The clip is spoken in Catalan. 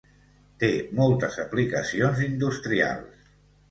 Té moltes aplicacions industrials.